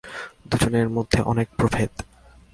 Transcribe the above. দুজনের মধ্যে কত প্রভেদ!